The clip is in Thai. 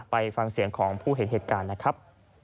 ไปฟังเสียงของผู้เห็นเหตุการณ์นะครับ